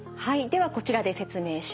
ではこちらで説明します。